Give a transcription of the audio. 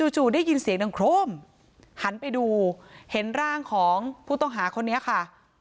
จู่ได้ยินเสียงดังโครมหันไปดูเห็นร่างของผู้ต้องหาคนนี้ค่ะ